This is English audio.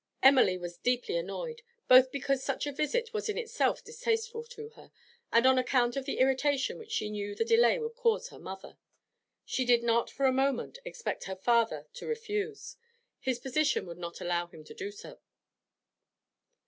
Emily was deeply annoyed, both because such a visit was in itself distasteful to her, and on account of the irritation which she knew the delay would cause her mother. She did not for a moment expect her father to refuse; his position would not allow him to do so.